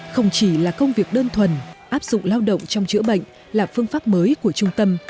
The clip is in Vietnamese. không chỉ là công việc đơn thuần áp dụng lao động trong chữa bệnh là phương pháp mới của trung tâm